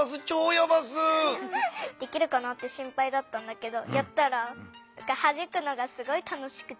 できるかなって心ぱいだったんだけどやったらはじくのが楽しくて。